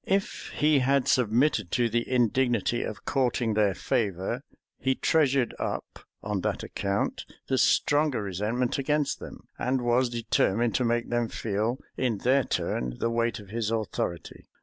If he had submitted to the indignity of courting their favor, he treasured up, on that account, the stronger resentment against them, and was determined to make them feel, in their turn, the weight of his authority.